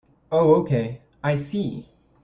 Oh okay, I see.